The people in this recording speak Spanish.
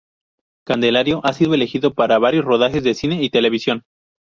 Candelario ha sido elegido para varios rodajes de cine y televisión.